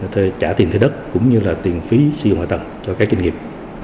trả tiền thế đất cũng như tiền phí siêu ngoại tầng cho các doanh nghiệp